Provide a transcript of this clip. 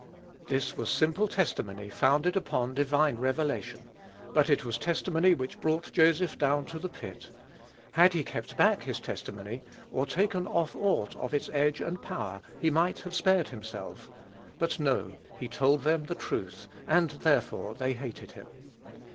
This was simple testimony founded upon divine revelation; but it was testimony which brought Joseph down to the pit. Had he kept back his testimony, or taken off aught of its edge and power, he might have spared himself; but, no: he told them the truth, and therefore they hated him.